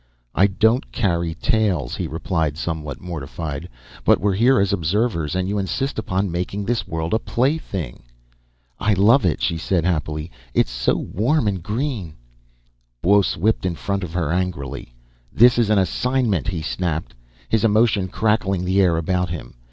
"I don't carry tales," he replied, somewhat mortified. "But we're here as observers, and you insist upon making this world a plaything ..." "I love it," she said happily. "It's so warm and green." Buos whipped in front of her angrily. "This is an assignment," he snapped, his emotion crackling the air about him.